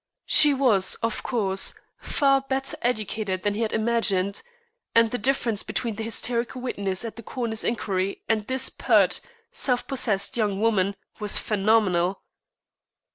She was, of course, far better educated than he had imagined, and the difference between the hysterical witness at the coroner's inquiry and this pert, self possessed young woman was phenomenal.